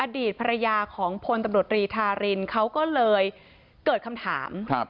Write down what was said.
อดีตภรรยาของพลตำรวจรีธารินเขาก็เลยเกิดคำถาม